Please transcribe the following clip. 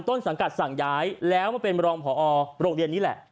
ต้นสังกัดสั่งย้ายแล้วมาเป็นรองพอโรงเรียนนี้แหละ